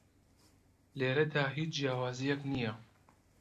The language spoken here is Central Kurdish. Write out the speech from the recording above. لێرەدا هیچ جیاوازییەک نییە